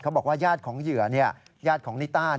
บอกว่าญาติของเหยื่อญาติของนิต้า